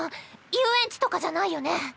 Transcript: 遊園地とかじゃないよね。